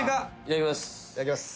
いただきます。